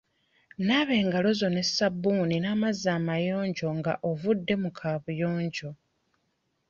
Naaba engalo zo ne ssabbuuni n'amazzi amayonjo nga ovudde mu kaabuyonjo.